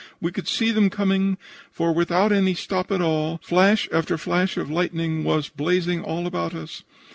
We could see them coming, for without any stop at all flash after flash of lightning was blazing all about us.